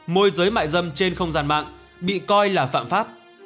môi giới mại dâm trên không gian mạng bị coi là phạm pháp